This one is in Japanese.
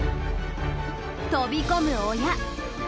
飛び込む親。